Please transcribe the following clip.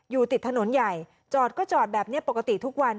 อยู่ติดถนนใหญ่จอดก็จอดแบบนี้ปกติทุกวัน